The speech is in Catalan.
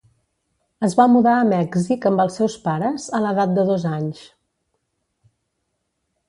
Es va mudar a Mèxic amb els seus pares a l’edat de dos anys.